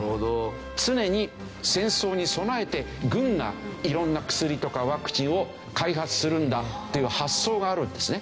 常に戦争に備えて軍が色んな薬とかワクチンを開発するんだっていう発想があるんですね。